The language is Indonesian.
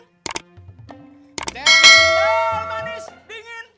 cendol manis dingin